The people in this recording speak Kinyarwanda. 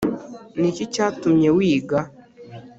ni iki cyatumye wiga